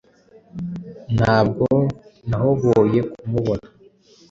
Ntabwo nahoboye kumubona